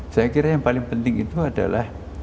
saya kira yang paling penting itu adalah